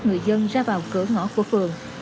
người dân ra vào cửa ngõ của phường